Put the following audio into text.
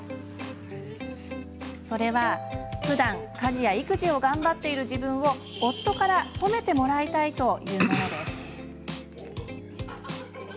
それは、ふだん家事や育児を頑張っている自分を夫から褒めてもらいたいというものです。